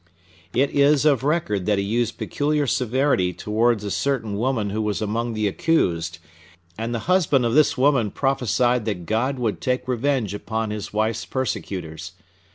It is of record that he used peculiar severity towards a certain woman who was among the accused; and the husband of this woman prophesied that God would take revenge upon his wife's persecutors.